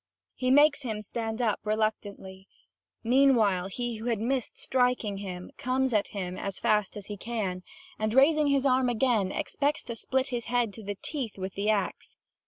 He makes him stand up reluctantly. Meanwhile, he who had missed striking him comes at him as fast as he can and, raising his arm again, expects to split his head to the teeth with the axe.